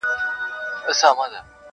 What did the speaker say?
یو د بل به یې سرونه غوڅوله-